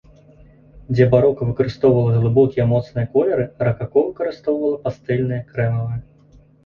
Дзе барока выкарыстоўвала глыбокія, моцныя колеры, ракако выкарыстоўвала пастэльныя, крэмавыя.